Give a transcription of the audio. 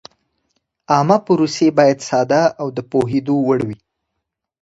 عامه پروسې باید ساده او د پوهېدو وړ وي.